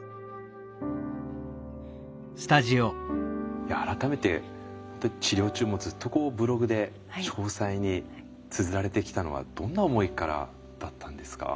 いや改めて治療中もずっとこうブログで詳細につづられてきたのはどんな思いからだったんですか？